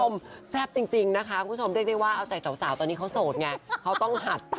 ไปฉบับหมดแล้วอะไรอยากกินน่ะสิ